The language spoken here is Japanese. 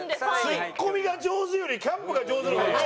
「ツッコミが上手」より「キャンプが上手」の方が上！